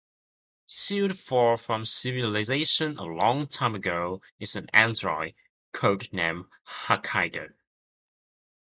Sealed far from civilization a long time ago is an android, code named Hakaider.